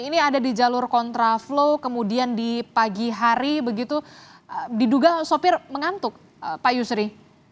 ini ada di jalur kontraflow kemudian di pagi hari begitu diduga sopir mengantuk pak yusri